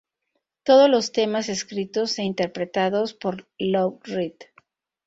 Todos los temas escritos e interpretados por Lou Reed